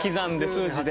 数字で。